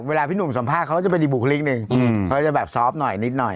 เวลาพี่หนุ่มสัมภาพเขาจะเป็นดิบวิวลิกหนึ่งอืมเขาจะแบบหน่อยนิดหน่อย